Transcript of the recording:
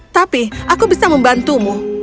tapi aku bisa membantumu